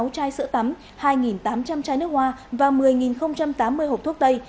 tám trăm chín mươi sáu chai sữa tắm hai tám trăm linh chai nước hoa và một mươi tám mươi hộp thuốc tây